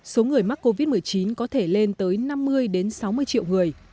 số người mắc covid một mươi chín có thể lên tới năm mươi sáu mươi triệu người